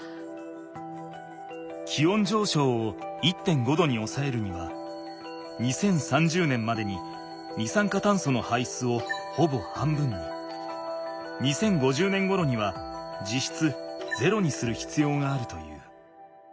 気温じょうしょうを１．５℃におさえるには２０３０年までに二酸化炭素の排出をほぼ半分に２０５０年ごろには実質ゼロにするひつようがあるという。